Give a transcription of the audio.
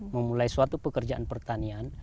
memulai suatu pekerjaan pertanian